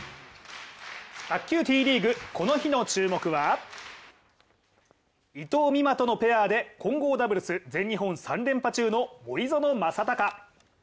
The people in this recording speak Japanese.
卓球Ｔリーグ、この日の注目は伊藤美誠とのペアで混合ダブルス全日本３連覇中の森薗政崇。